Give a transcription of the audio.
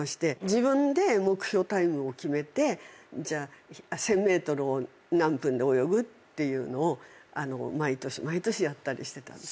自分で目標タイムを決めて１，０００ｍを何分で泳ぐっていうのを毎年毎年やったりしてたんです。